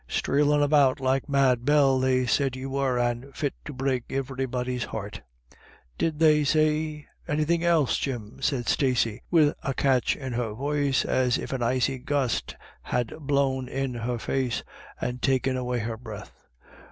Sthreelin' about like Mad Bell, they said you were, and fit to break iverybody's heart" 44 Did they say — anythin* else, Jim?" said Stacey, with a catch in her voice, as if an icy gust had blown in her face and taken away her breath.